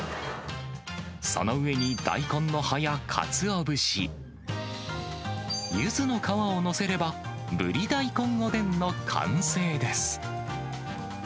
その上に、大根の葉やかつお節、ゆずの皮を載せれば、ブリ大根おでんの完成です。